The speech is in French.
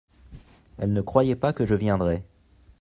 Elle ne croyait pas que je viendrais…